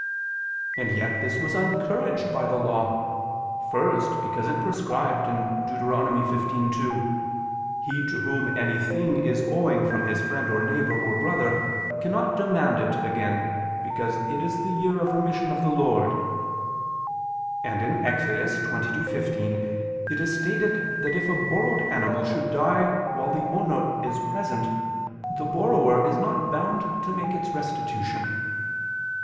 And yet this was encouraged by the Law. First, because it prescribed (Deut. 15:2): "He to whom any thing is owing from his friend or neighbor or brother, cannot demand it again, because it is the year of remission of the Lord"; and (Ex. 22:15) it is stated that if a borrowed animal should die while the owner is present, the borrower is not bound to make restitution.